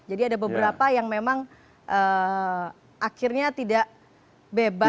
jadi ada beberapa yang memang akhirnya tidak bebas